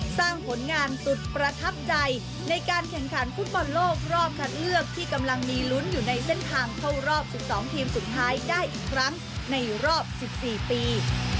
สร้างผลงานสุดประทับใจในการแข่งขันฟุตบอลโลกรอบคัดเลือกที่กำลังมีลุ้นอยู่ในเส้นทางเข้ารอบ๑๒ทีมสุดท้ายได้อีกครั้งในรอบ๑๔ปี